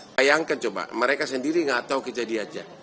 bayangkan coba mereka sendiri nggak tahu kejadiannya